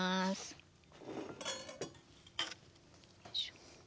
よいしょ。